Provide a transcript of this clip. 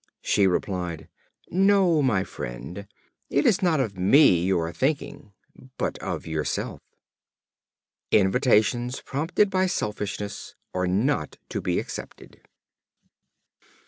She replied: "No, my friend, it is not of me you are thinking, but of yourself." Invitations prompted by selfishness are not to be accepted.